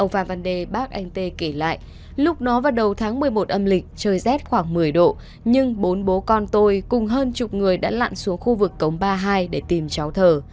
ông phạm văn đề bác anh t kể lại lúc đó vào đầu tháng một mươi một âm lịch trời rét khoảng một mươi độ nhưng bốn bố con tôi cùng hơn chục người đã lặn xuống khu vực cống ba mươi hai để tìm cháu thờ